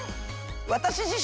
私自身も。